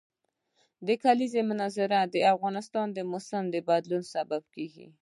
د کلیزو منظره د افغانستان د موسم د بدلون سبب کېږي.